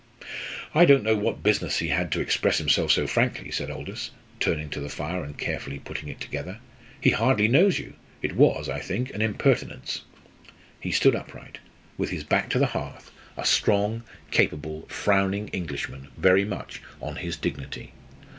"I don't know what business he had to express himself so frankly," said Aldous, turning to the fire and carefully putting it together. "He hardly knows you it was, I think, an impertinence." He stood upright, with his back to the hearth, a strong, capable, frowning Englishman, very much on his dignity.